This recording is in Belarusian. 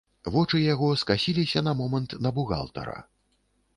Вочы яго скасіліся на момант на бухгалтара.